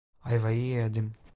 Ayvayı yedim.